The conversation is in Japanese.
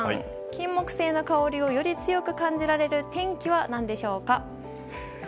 キンモクセイの香りをより強く感じられる天気は何でしょうか？